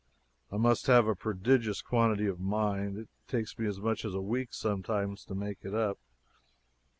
I must have a prodigious quantity of mind; it takes me as much as a week sometimes to make it up.